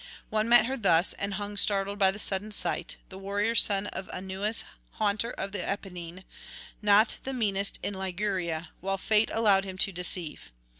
One met her thus and hung startled by the sudden sight, the warrior son of Aunus haunter of the Apennine, not the meanest in Liguria while fate allowed him to deceive.